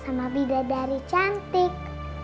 sama bidadari cantik